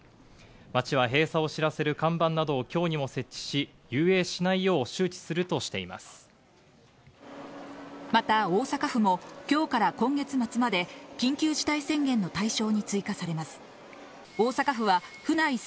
町は閉鎖を知らせる看板などを今日にも設置し、遊泳しないよう周また、大阪府も今日から今月末まで緊急事態宣言の対象に追加されます。